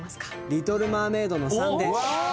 『リトル・マーメイド』の３で。